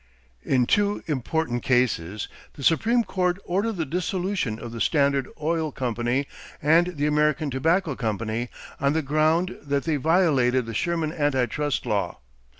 In two important cases, the Supreme Court ordered the dissolution of the Standard Oil Company and the American Tobacco Company on the ground that they violated the Sherman Anti Trust law.